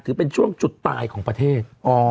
ถือเป็นช่วงจุดตายของประเทศ